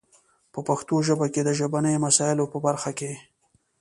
په پښتو ژبه کې د ژبنیو مسایلو په برخه کې